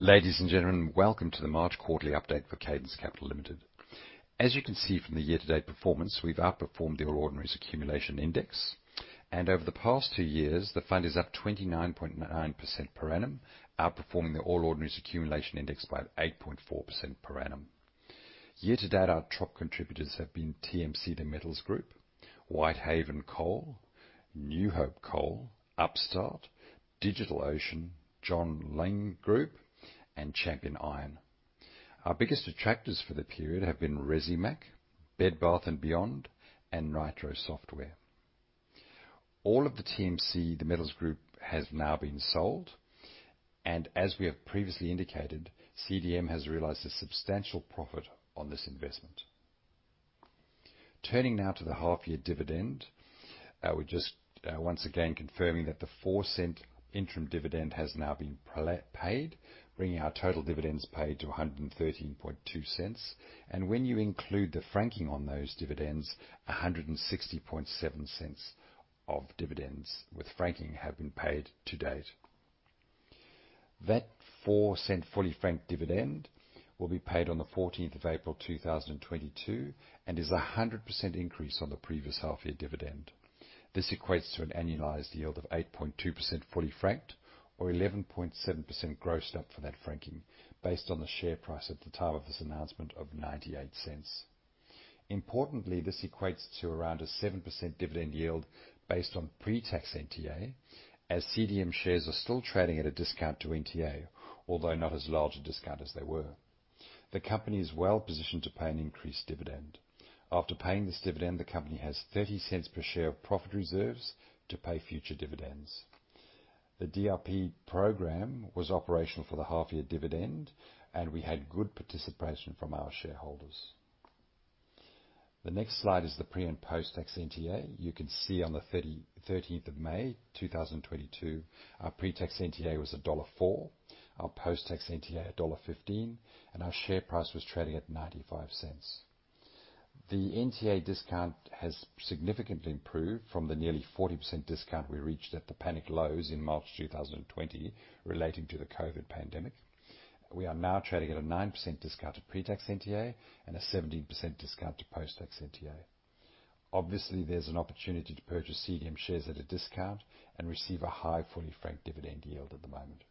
Ladies and gentlemen, welcome to the March quarterly update for Cadence Capital Limited. As you can see from the year-to-date performance, we've outperformed the All Ordinaries Accumulation Index. Over the past two years, the fund is up 29.9% per annum, outperforming the All Ordinaries Accumulation Index by 8.4% per annum. Year to date, our top contributors have been TMC the metals company Inc., Whitehaven Coal, New Hope Corporation, Upstart, DigitalOcean, Johns Lyng Group, and Champion Iron. Our biggest detractors for the period have been Resimac, Bed Bath & Beyond, and Nitro Software. All of the TMC the metals company Inc. has now been sold, and as we have previously indicated, CDM has realized a substantial profit on this investment. Turning now to the half year dividend, we're just once again confirming that the 0.04 interim dividend has now been paid, bringing our total dividends paid to 1.132. When you include the franking on those dividends, 1.607 of dividends with franking have been paid to date. That 0.04 fully franked dividend will be paid on the April 14, 2022, and is a 100% increase on the previous half year dividend. This equates to an annualized yield of 8.2% fully franked or 11.7% grossed up for that franking based on the share price at the time of this announcement of 0.98. Importantly, this equates to around 7% dividend yield based on pre-tax NTA as CDM shares are still trading at a discount to NTA, although not as large a discount as they were. The company is well-positioned to pay an increased dividend. After paying this dividend, the company has 0.30 per share of profit reserves to pay future dividends. The DRP program was operational for the half year dividend, and we had good participation from our shareholders. The next slide is the pre- and post-tax NTA. You can see on the May 13, 2022, our pre-tax NTA was dollar 1.04, our post-tax NTA dollar 1.15, and our share price was trading at 0.95. The NTA discount has significantly improved from the nearly 40% discount we reached at the panic lows in March 2020 relating to the COVID pandemic. We are now trading at a 9% discount to pre-tax NTA and a 17% discount to post-tax NTA. Obviously, there's an opportunity to purchase CDM shares at a discount and receive a high fully franked dividend yield at the moment.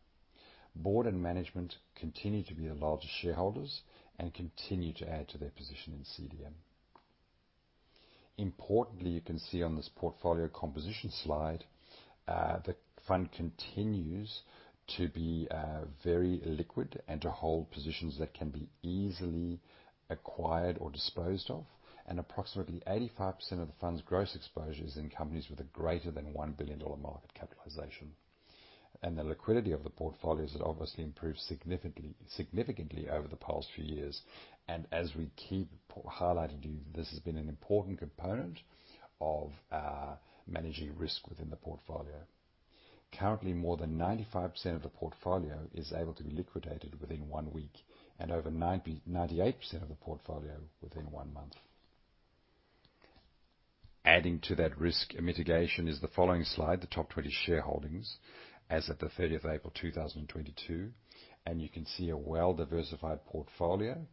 Board and management continue to be the largest shareholders and continue to add to their position in CDM. Importantly, you can see on this portfolio composition slide, the fund continues to be very liquid and to hold positions that can be easily acquired or disposed of. Approximately 85% of the fund's gross exposure is in companies with a greater than 1 billion dollar market capitalization. The liquidity of the portfolio has obviously improved significantly over the past few years. As we keep highlighting to you, this has been an important component of managing risk within the portfolio. Currently, more than 95% of the portfolio is able to be liquidated within one week and over 98% of the portfolio within one month. Adding to that risk mitigation is the following slide, the top 20 shareholdings as of the April 30, 2022. You can see a well-diversified portfolio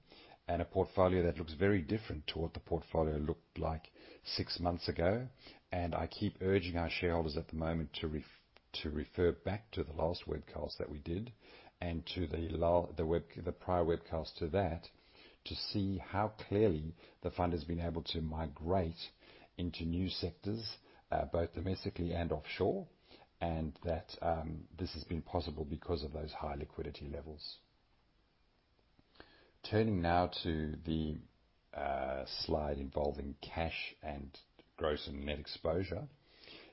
and a portfolio that looks very different to what the portfolio looked like six months ago. I keep urging our shareholders at the moment to refer back to the last webcast that we did and to the prior webcast to that, to see how clearly the fund has been able to migrate into new sectors both domestically and offshore. That, this has been possible because of those high liquidity levels. Turning now to the slide involving cash and gross and net exposure.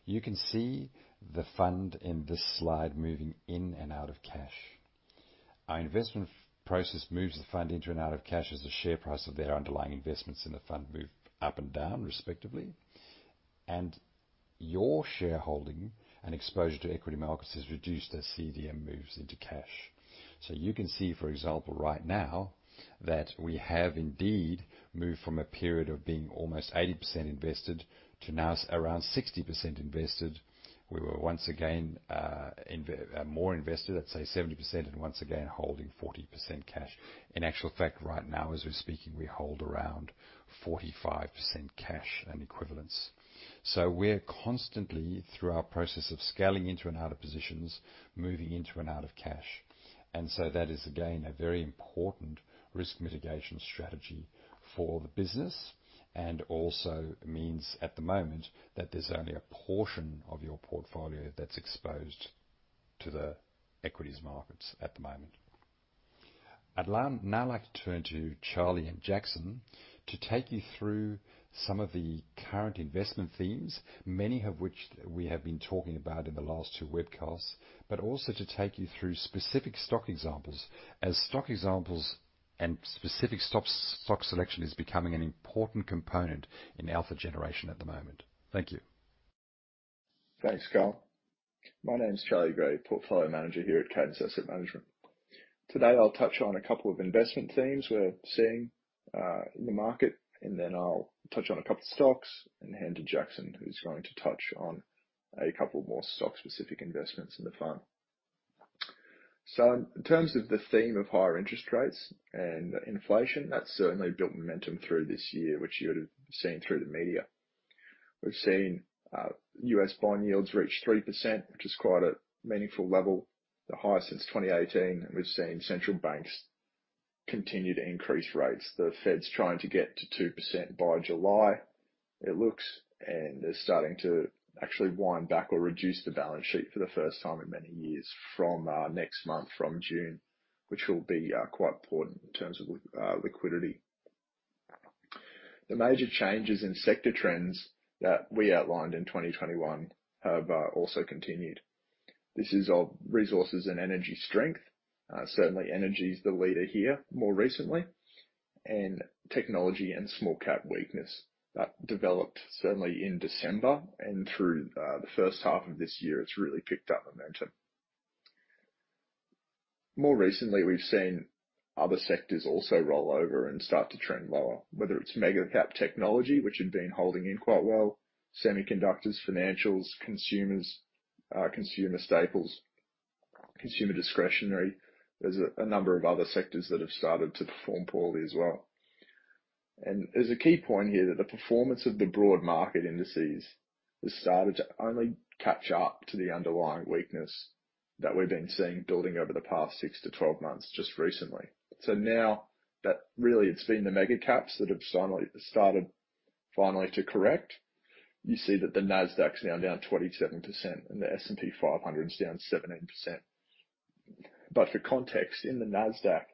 You can see the fund in this slide moving in and out of cash. Our investment process moves the fund into and out of cash as the share price of their underlying investments in the fund move up and down, respectively. Your shareholding and exposure to equity markets is reduced as CDM moves into cash. You can see, for example, right now that we have indeed moved from a period of being almost 80% invested to now around 60% invested. We were once again more invested, let's say 70% and once again, holding 40% cash. In actual fact, right now as we're speaking, we hold around 45% cash and equivalents. We're constantly, through our process of scaling into and out of positions, moving into and out of cash. That is again a very important risk mitigation strategy for the business and also means at the moment that there's only a portion of your portfolio that's exposed to the equities markets at the moment. I'd now like to turn to Charlie and Jackson to take you through some of the current investment themes, many of which we have been talking about in the last two webcasts, but also to take you through specific stock examples and specific stock selection is becoming an important component in alpha generation at the moment. Thank you. Thanks, Karl. My name's Charlie Gray, Portfolio Manager here at Cadence Asset Management. Today, I'll touch on a couple of investment themes we're seeing in the market, and then I'll touch on a couple of stocks and hand to Jackson, who's going to touch on a couple more stock-specific investments in the fund. In terms of the theme of higher interest rates and inflation, that's certainly built momentum through this year, which you'd have seen through the media. We've seen U.S. bond yields reach 3%, which is quite a meaningful level, the highest since 2018. We've seen central banks continue to increase rates. The Fed's trying to get to 2% by July, it looks, and they're starting to actually wind back or reduce the balance sheet for the first time in many years from next month, from June, which will be quite important in terms of liquidity. The major changes in sector trends that we outlined in 2021 have also continued. This is of resources and energy strength. Certainly energy is the leader here more recently, and technology and small cap weakness that developed certainly in December and through the H1 of this year, it's really picked up momentum. More recently, we've seen other sectors also roll over and start to trend lower, whether it's mega cap technology, which had been holding up quite well, semiconductors, financials, consumers, consumer staples, consumer discretionary. There's a number of other sectors that have started to perform poorly as well. There's a key point here that the performance of the broad market indices has started to only catch up to the underlying weakness that we've been seeing building over the past six to 12 months just recently. Now that really it's been the mega caps that have finally started to correct. You see that the Nasdaq's now down 27% and the S&P 500 is down 17%. For context, in the Nasdaq,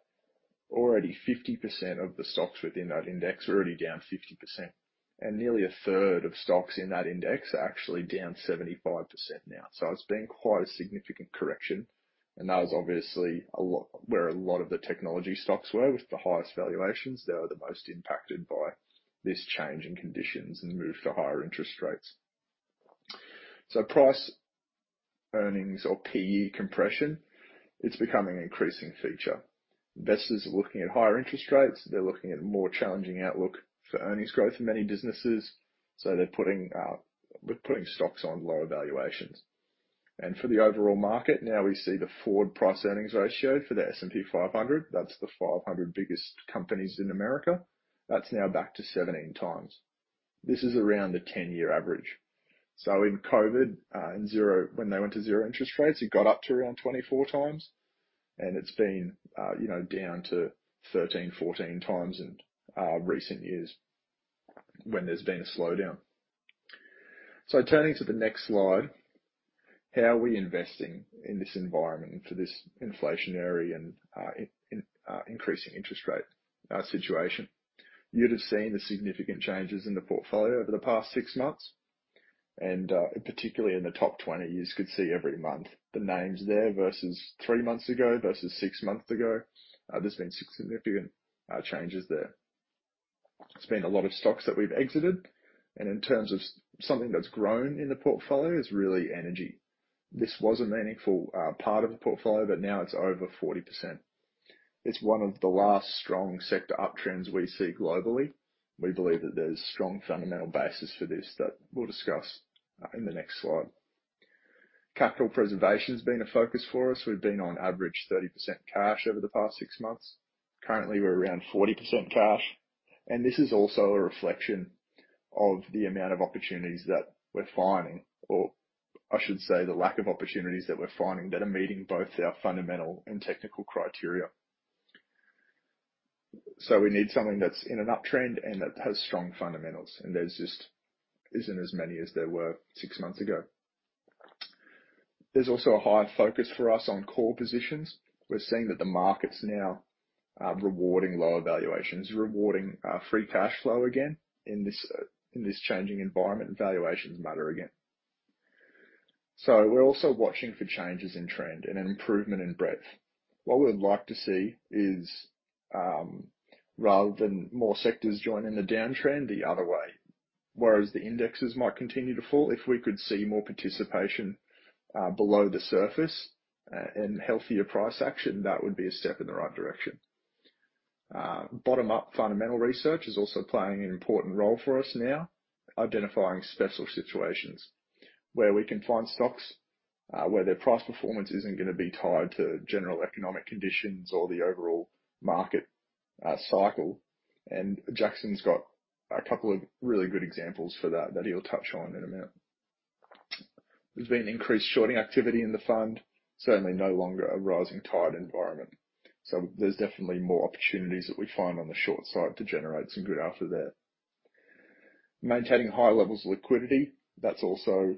already 50% of the stocks within that index are already down 50%, and nearly a third of stocks in that index are actually down 75% now. It's been quite a significant correction, and that was obviously a lot where a lot of the technology stocks were with the highest valuations that are the most impacted by this change in conditions and the move to higher interest rates. Price earnings or PE compression, it's becoming an increasing feature. Investors are looking at higher interest rates. They're looking at a more challenging outlook for earnings growth in many businesses. They're putting, we're putting stocks on lower valuations. For the overall market now we see the forward price earnings ratio for the S&P 500, that's the 500 biggest companies in America. That's now back to 17x. This is around the 10-year average. In COVID, when they went to zero interest rates, it got up to around 24x. It's been, you know, down to 13, 14x in recent years when there's been a slowdown. Turning to the next slide, how are we investing in this environment for this inflationary and increasing interest rate situation? You'd have seen the significant changes in the portfolio over the past six months. Particularly in the top 20, you could see every month the names there versus three months ago versus six months ago. There's been significant changes there. It's been a lot of stocks that we've exited, and in terms of something that's grown in the portfolio is really energy. This was a meaningful part of the portfolio, but now it's over 40%. It's one of the last strong sector uptrends we see globally. We believe that there's strong fundamental basis for this that we'll discuss in the next slide. Capital preservation has been a focus for us. We've been on average 30% cash over the past six months. Currently, we're around 40% cash, and this is also a reflection of the amount of opportunities that we're finding. I should say, the lack of opportunities that we're finding that are meeting both our fundamental and technical criteria. We need something that's in an uptrend and that has strong fundamentals, and there just isn't as many as there were six months ago. There's also a higher focus for us on core positions. We're seeing that the market's now rewarding lower valuations, rewarding free cash flow again in this changing environment, and valuations matter again. We're also watching for changes in trend and an improvement in breadth. What we would like to see is rather than more sectors joining the downtrend the other way, whereas the indexes might continue to fall, if we could see more participation below the surface and healthier price action, that would be a step in the right direction. Bottom-up fundamental research is also playing an important role for us now, identifying special situations where we can find stocks where their price performance isn't gonna be tied to general economic conditions or the overall market cycle. Jackson's got a couple of really good examples for that he'll touch on in a minute. There's been increased shorting activity in the fund, certainly no longer a rising tide environment. There's definitely more opportunities that we find on the short side to generate some good alpha there. Maintaining high levels of liquidity, that's also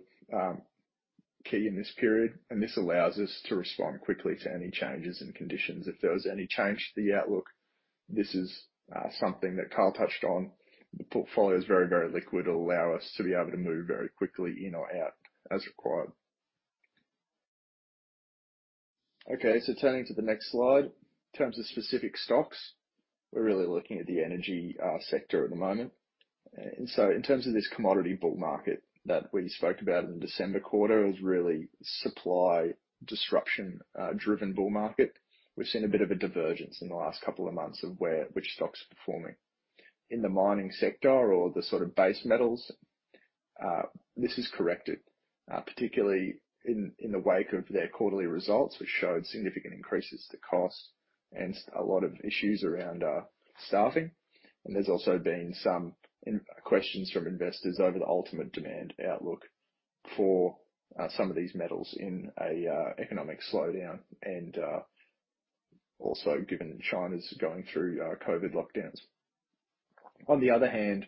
key in this period, and this allows us to respond quickly to any changes in conditions. If there was any change to the outlook, this is something that Karl touched on. The portfolio is very, very liquid. It'll allow us to be able to move very quickly in or out as required. Okay, turning to the next slide. In terms of specific stocks, we're really looking at the energy sector at the moment. In terms of this commodity bull market that we spoke about in the December quarter, it was really supply disruption driven bull market. We've seen a bit of a divergence in the last couple of months of which stocks are performing. In the mining sector or the sort of base metals, particularly in the wake of their quarterly results, which showed significant increases to costs and a lot of issues around staffing. There's also been some questions from investors over the ultimate demand outlook for some of these metals in an economic slowdown, and also given China's going through COVID lockdowns. On the other hand,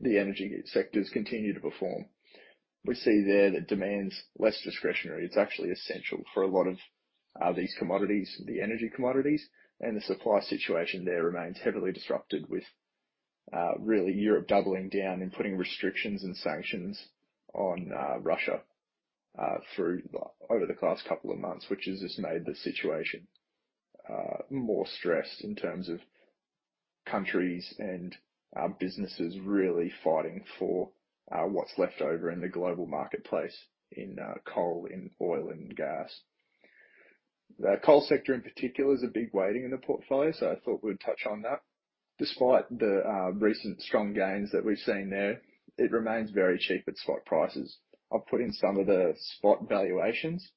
the energy sectors continue to perform. We see there that demand's less discretionary. It's actually essential for a lot of these commodities, the energy commodities, and the supply situation there remains heavily disrupted with really Europe doubling down and putting restrictions and sanctions on Russia through over the last couple of months, which has just made the situation more stressed in terms of countries and businesses really fighting for what's left over in the global marketplace in coal, in oil and gas. The coal sector in particular is a big weighting in the portfolio, so I thought we'd touch on that. Despite the recent strong gains that we've seen there, it remains very cheap at spot prices. I've put in some of the spot valuations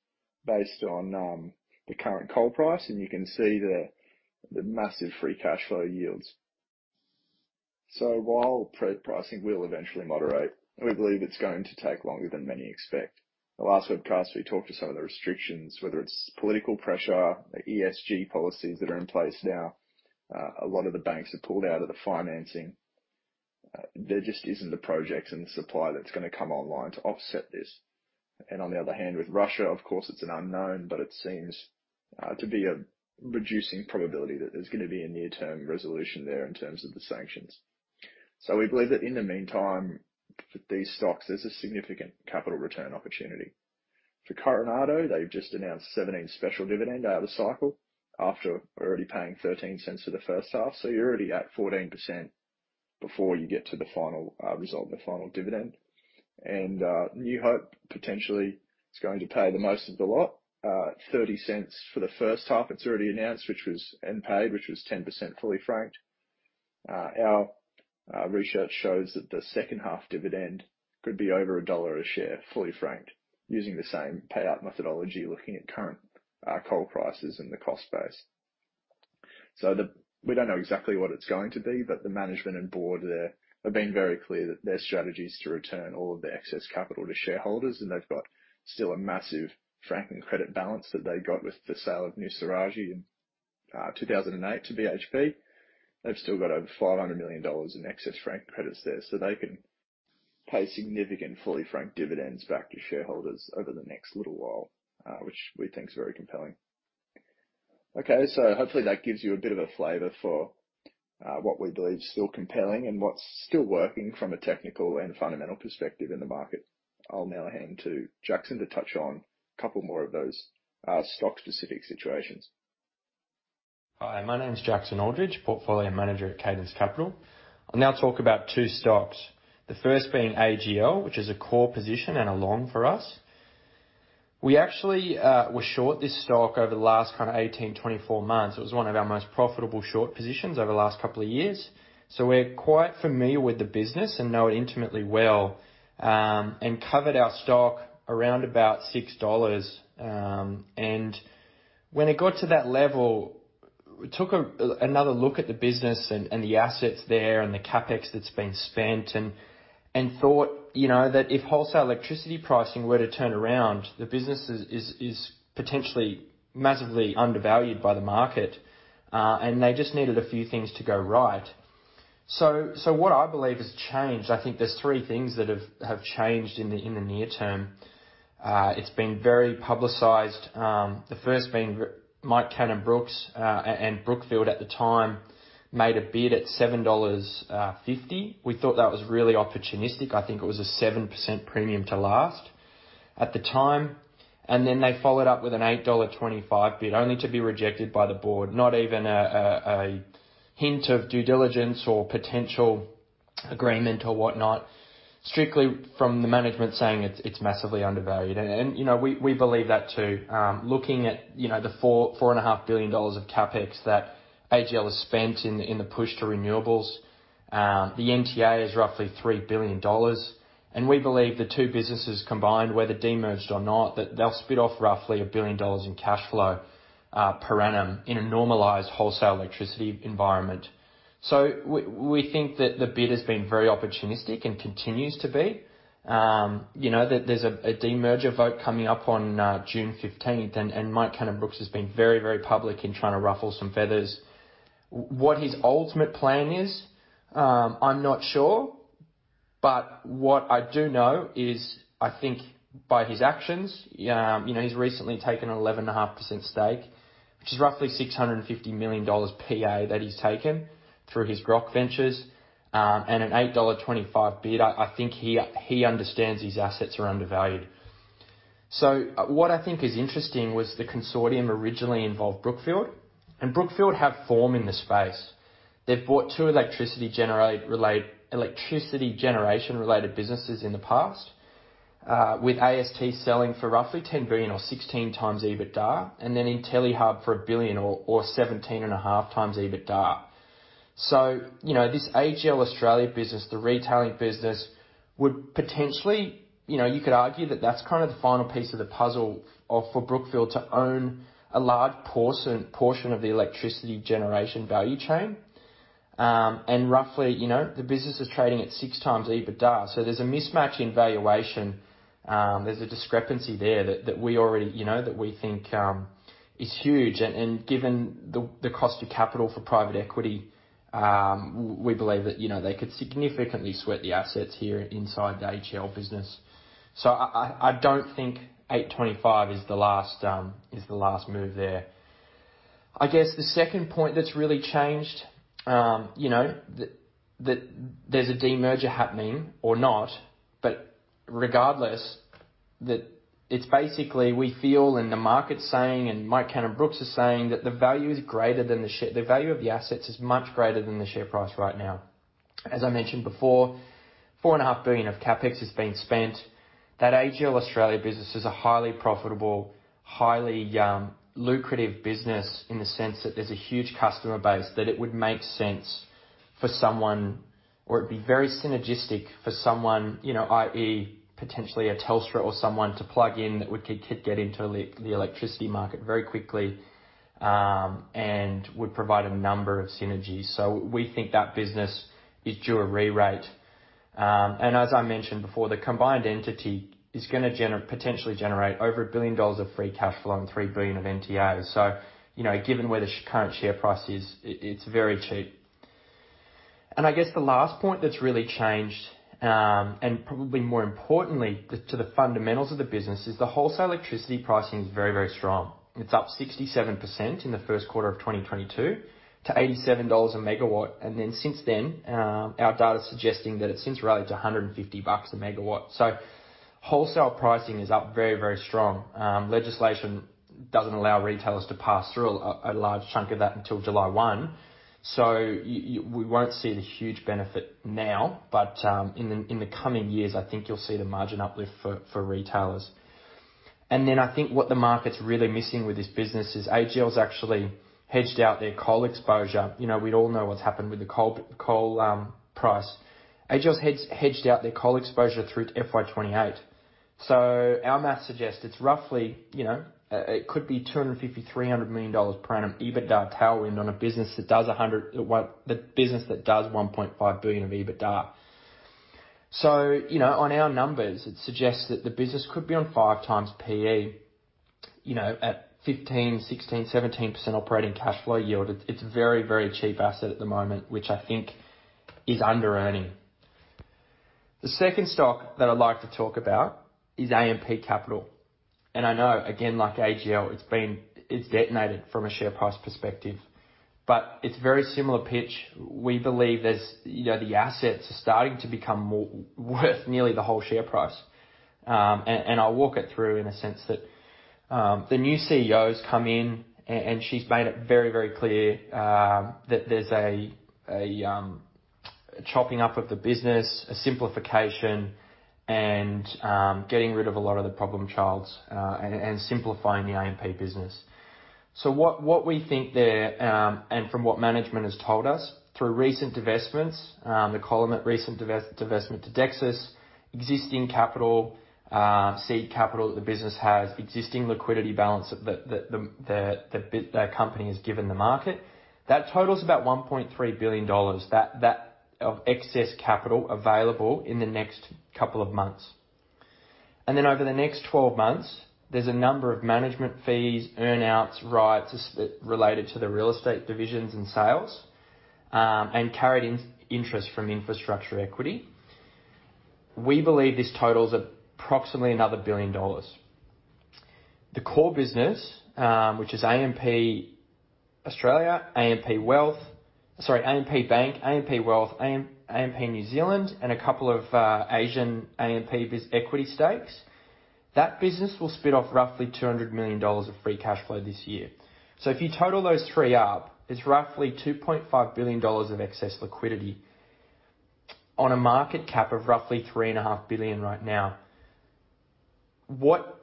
based on the current coal price, and you can see the massive free cash flow yields. While pre-pricing will eventually moderate, we believe it's going to take longer than many expect. The last webcast, we talked about some of the restrictions, whether it's political pressure, the ESG policies that are in place now. A lot of the banks have pulled out of the financing. There just isn't the projects and the supply that's gonna come online to offset this. And on the other hand, with Russia, of course it's an unknown, but it seems to be a reducing probability that there's gonna be a near-term resolution there in terms of the sanctions. We believe that in the meantime, for these stocks, there's a significant capital return opportunity. For Coronado, they've just announced 0.17 special dividend out of cycle after already paying 0.13 for the H1. You're already at 14% before you get to the final result and the final dividend. New Hope potentially is going to pay the most of the lot, 0.30 for the H1. It's already announced and paid, which was 10% fully franked. Our research shows that the H2 dividend could be over AUD 1 a share, fully franked, using the same payout methodology, looking at current coal prices and the cost base. We don't know exactly what it's going to be, but the management and board there have been very clear that their strategy is to return all of the excess capital to shareholders, and they've got still a massive franking credit balance that they got with the sale of New Saraji in 2008 to BHP. They've still got over 500 million dollars in excess franking credits there, so they can pay significant fully franked dividends back to shareholders over the next little while, which we think is very compelling. Okay, hopefully that gives you a bit of a flavor for what we believe is still compelling and what's still working from a technical and fundamental perspective in the market. I'll now hand to Jackson to touch on a couple more of those stock specific situations. Hi, my name is Jackson Aldridge, Portfolio Manager at Cadence Capital. I'll now talk about two stocks. The first being AGL, which is a core position and a long for us. We actually were short this stock over the last 18-24 months. It was one of our most profitable short positions over the last couple of years, so we're quite familiar with the business and know it intimately well. We covered our stock around about 6 dollars. When it got to that level, we took another look at the business and the assets there and the CapEx that's been spent and thought, you know, that if wholesale electricity pricing were to turn around, the business is potentially massively undervalued by the market. They just needed a few things to go right. What I believe has changed, I think there's three things that have changed in the near term. It's been very publicized. The first being Mike Cannon-Brookes and Brookfield at the time made a bid at 7.50 dollars. We thought that was really opportunistic. I think it was a 7% premium to last at the time. Then they followed up with an 8.25 dollar bid, only to be rejected by the board. Not even a hint of due diligence or potential agreement or whatnot. Strictly from the management saying it's massively undervalued. You know, we believe that too. Looking at, you know, the four and a half billion dollars of CapEx that AGL has spent in the push to renewables, the NTA is roughly 3 billion dollars. We believe the two businesses combined, whether de-merged or not, that they'll spin off roughly 1 billion dollars in cash flow per annum in a normalized wholesale electricity environment. We think that the bid has been very opportunistic and continues to be. You know that there's a de-merger vote coming up on June 15, and Mike Cannon-Brookes has been very, very public in trying to ruffle some feathers. What his ultimate plan is, I'm not sure. What I do know is, I think by his actions, you know, he's recently taken an 11.5% stake, which is roughly 650 million dollars that he's taken through his Grok Ventures, and an 8.25 dollar bid. I think he understands these assets are undervalued. What I think is interesting was the consortium originally involved Brookfield. Brookfield have form in the space. They've bought two electricity generation related businesses in the past, with AST selling for roughly 10 billion or 16x EBITDA, and then IntelliHub for 1 billion or 17.5x EBITDA. This AGL Australia business, the retailing business, would potentially, you could argue that that's kind of the final piece of the puzzle for Brookfield to own a large portion of the electricity generation value chain. Roughly, the business is trading at 6x EBITDA. There's a mismatch in valuation. There's a discrepancy there that we already think is huge. Given the cost of capital for private equity, we believe that, you know, they could significantly sweat the assets here inside the AGL business. I don't think 8.25 is the last move there. I guess the second point that's really changed, you know, the there's a demerger happening or not, but regardless, that it's basically we feel and the market saying and Mike Cannon-Brookes is saying that the value of the assets is much greater than the share price right now. As I mentioned before, 4.5 billion of CapEx is being spent. That AGL Australia business is a highly profitable, lucrative business in the sense that there's a huge customer base, that it would make sense for someone or it'd be very synergistic for someone, you know, i.e., potentially a Telstra or someone to plug in that would get into the electricity market very quickly, and would provide a number of synergies. We think that business is due a re-rate. As I mentioned before, the combined entity is gonna potentially generate over 1 billion dollars of free cash flow and 3 billion of NTAs. You know, given where the current share price is, it's very cheap. I guess the last point that's really changed, and probably more importantly to the fundamentals of the business is the wholesale electricity pricing is very, very strong. It's up 67% in the first quarter of 2022 to 87 dollars a MW. Since then, our data is suggesting that it's since rallied to 150 bucks a MW. Wholesale pricing is up very, very strong. Legislation doesn't allow retailers to pass through a large chunk of that until July 1. We won't see the huge benefit now, but in the coming years, I think you'll see the margin uplift for retailers. What the market's really missing with this business is AGL's actually hedged out their coal exposure. You know, we'd all know what's happened with the coal price. AGL's hedged out their coal exposure through to FY28. Our math suggests it's roughly, you know, it could be 250 million-300 million dollars per annum EBITDA tailwind on a business that does 1.5 billion of EBITDA. On our numbers, it suggests that the business could be on 5x PE, you know, at 15%-17% operating cash flow yield. It's very, very cheap asset at the moment, which I think is underearning. The second stock that I'd like to talk about is AMP Capital. I know, again, like AGL, it's been decimated from a share price perspective, but it's very similar pitch. We believe there's the assets are starting to become more worth nearly the whole share price. I'll walk it through in a sense that the new CEO's come in and she's made it very, very clear that there's a chopping up of the business, a simplification and getting rid of a lot of the problem children and simplifying the AMP business. What we think there, and from what management has told us through recent divestments, the quantum of recent divestment to Dexus, existing capital, seed capital that the business has, existing liquidity, balance sheet that the company has given the market. That totals about 1.3 billion dollars of excess capital available in the next couple of months. Over the next 12 months, there's a number of management fees, earn-outs, rights related to the real estate divisions and sales, and carried interest from infrastructure equity. We believe this totals approximately another 1 billion dollars. The core business, which is AMP Australia, AMP Wealth. Sorry, AMP Bank, AMP Wealth, AMP New Zealand and a couple of Asian AMP equity stakes. That business will spin off roughly 200 million dollars of free cash flow this year. If you total those three up, it's roughly 2.5 billion dollars of excess liquidity on a market cap of roughly 3.5 billion right now. What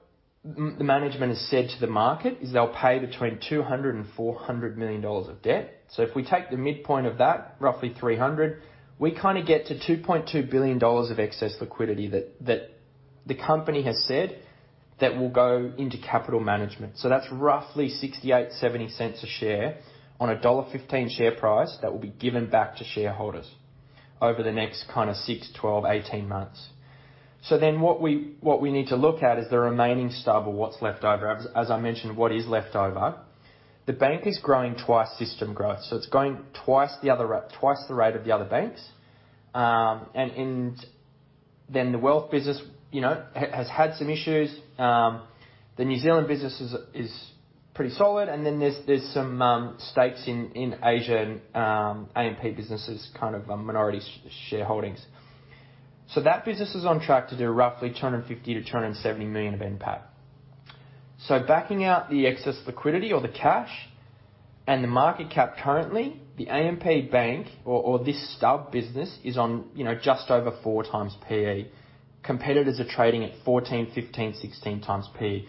management has said to the market is they'll pay between 200 million dollars and 400 million dollars of debt. If we take the midpoint of that, roughly 300, we kinda get to 2.2 billion dollars of excess liquidity that the company has said that will go into capital management. That's roughly 0.68- 0.70 a share on a dollar 1.15 share price that will be given back to shareholders over the next kinda six, 12, 18 months. What we need to look at is the remaining stub or what's left over. As I mentioned, what is left over. The bank is growing twice system growth, so it's growing twice the rate of the other banks. And then the wealth business, you know, has had some issues. The New Zealand business is pretty solid. There's some stakes in Asia and AMP businesses, kind of a minority shareholdings. That business is on track to do roughly 250 million-270 million of NPAT. Backing out the excess liquidity or the cash and the market cap currently, the AMP Bank or this stub business is on just over 4x PE. Competitors are trading at 14, 15, 16x PE.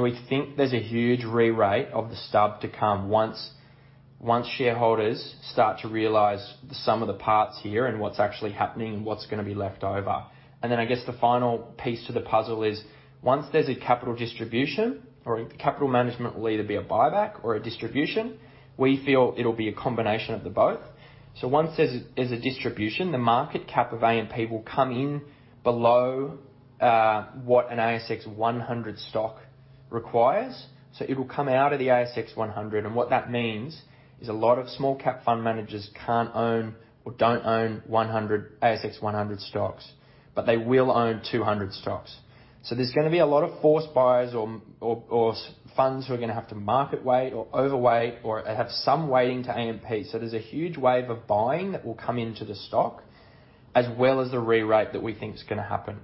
We think there's a huge re-rate of the stub to come once shareholders start to realize the sum of the parts here and what's actually happening, what's gonna be left over. I guess the final piece to the puzzle is once there's a capital distribution or capital management will either be a buyback or a distribution, we feel it'll be a combination of the both. Once there's a distribution, the market cap of AMP will come in below what an ASX 100 stock requires, so it'll come out of the ASX 100. What that means is a lot of small cap fund managers can't own or don't own 100 ASX 100 stocks, but they will own 200 stocks. There's gonna be a lot of forced buyers or funds who are gonna have to market weight or overweight or have some weighting to AMP. There's a huge wave of buying that will come into the stock as well as the re-rate that we think is gonna happen.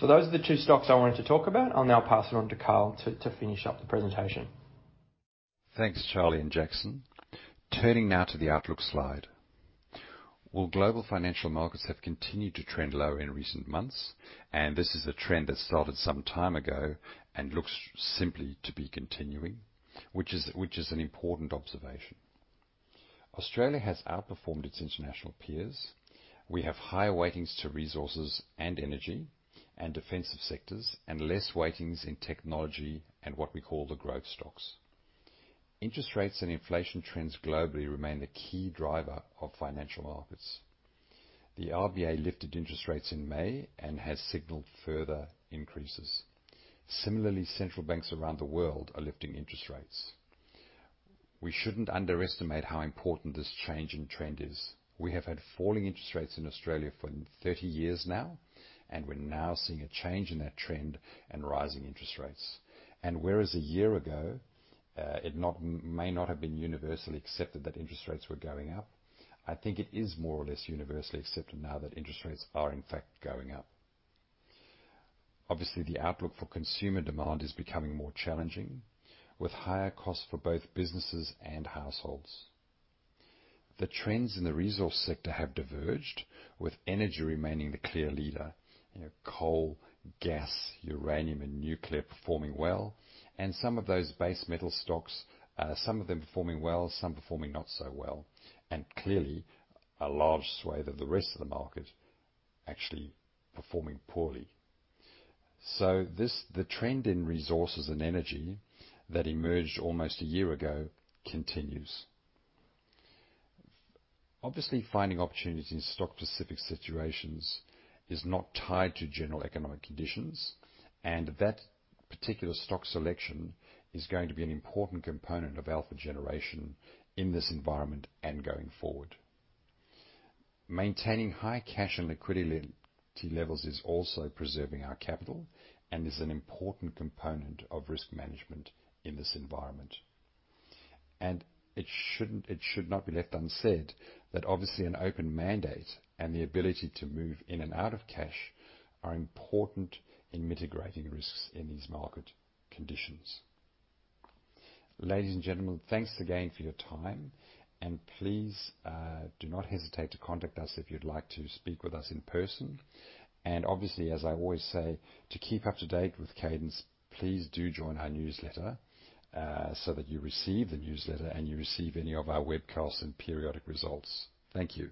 Those are the two stocks I wanted to talk about. I'll now pass it on to Karl to finish up the presentation. Thanks, Charlie and Jackson. Turning now to the outlook slide. Well, global financial markets have continued to trend lower in recent months, and this is a trend that started some time ago and looks simply to be continuing, which is an important observation. Australia has outperformed its international peers. We have higher weightings to resources and energy and defensive sectors and less weightings in technology and what we call the growth stocks. Interest rates and inflation trends globally remain the key driver of financial markets. The RBA lifted interest rates in May and has signaled further increases. Similarly, central banks around the world are lifting interest rates. We shouldn't underestimate how important this change in trend is. We have had falling interest rates in Australia for 30 years now, and we're now seeing a change in that trend and rising interest rates. Whereas a year ago, it may not have been universally accepted that interest rates were going up, I think it is more or less universally accepted now that interest rates are in fact going up. Obviously, the outlook for consumer demand is becoming more challenging, with higher costs for both businesses and households. The trends in the resource sector have diverged, with energy remaining the clear leader. You know, coal, gas, uranium and nuclear performing well and some of those base metal stocks, some of them performing well, some performing not so well, and clearly a large swathe of the rest of the market actually performing poorly. This, the trend in resources and energy that emerged almost a year ago continues. Obviously, finding opportunities in stock-specific situations is not tied to general economic conditions, and that particular stock selection is going to be an important component of alpha generation in this environment and going forward. Maintaining high cash and liquidity levels is also preserving our capital and is an important component of risk management in this environment. It shouldn't, it should not be left unsaid that obviously an open mandate and the ability to move in and out of cash are important in mitigating risks in these market conditions. Ladies and gentlemen, thanks again for your time and please, do not hesitate to contact us if you'd like to speak with us in person. Obviously, as I always say, to keep up to date with Cadence, please do join our newsletter, so that you receive the newsletter and you receive any of our webcasts and periodic results. Thank you.